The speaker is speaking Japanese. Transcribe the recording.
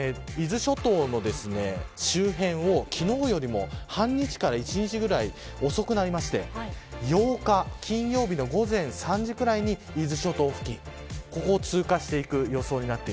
伊豆諸島の周辺を昨日よりも半日から１日ぐらい、遅くなりまして８日、金曜日の午前３時くらいに伊豆諸島付近ここを通過していく予想です。